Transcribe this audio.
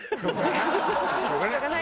しょうがない。